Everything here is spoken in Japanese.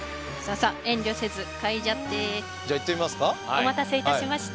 お待たせいたしました。